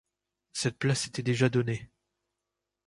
Cette place était déjà donnée.